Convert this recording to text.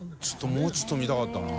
もうちょっと見たかったな。